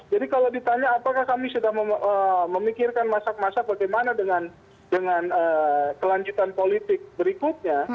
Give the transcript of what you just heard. jadi kalau ditanya apakah kami sudah memikirkan masa masa bagaimana dengan kelanjutan politik berikutnya